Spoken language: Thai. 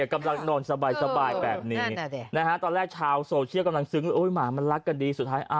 กำลังนอนสบายแบบนี้